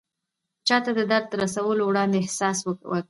چاته د درد رسولو وړاندې احساس وکړه.